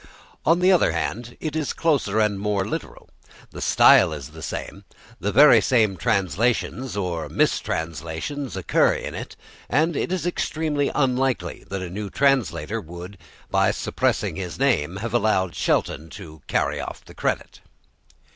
On the other hand, it is closer and more literal, the style is the same, the very same translations, or mistranslations, occur in it, and it is extremely unlikely that a new translator would, by suppressing his name, have allowed Shelton to carry off the credit.